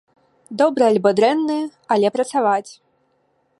Добры альбо дрэнны, але працаваць.